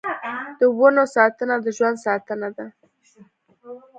د ونو ساتنه د ژوند ساتنه ده.